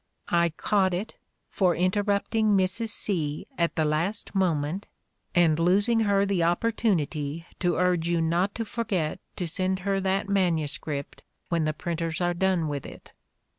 I 'caught it' for interrupting Mrs. C. at the last moment and losing her the opportunity to urge you not to forget to send her that MS. when the printers are done with it.